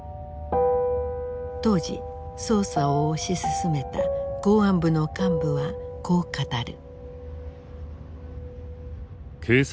当時捜査を推し進めた公安部の幹部はこう語る。